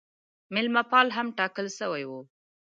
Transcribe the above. مېلمه پال هم ټاکل سوی وو.